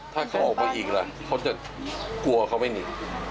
ถ้าเขาออกมาอีกล่ะเขาจะกลัวเขาไม่หนี